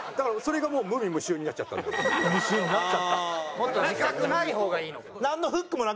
もっと自覚ない方がいいのか。